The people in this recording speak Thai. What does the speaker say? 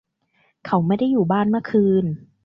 เขาไม่ได้อยู่บ้านเมื่อคืน